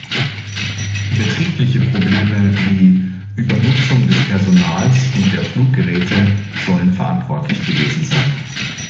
Betriebliche Probleme, wie Übernutzung des Personals und der Fluggeräte, sollen verantwortlich gewesen sein.